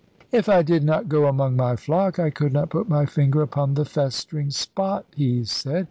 "If I did not go among my flock, I could not put my finger upon the festering spot," he said.